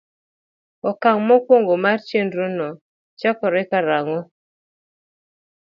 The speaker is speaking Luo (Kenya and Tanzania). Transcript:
Okang' mokwongo mar chenrono chakore karang'o?